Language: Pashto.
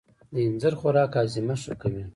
د اینځر خوراک هاضمه ښه کوي.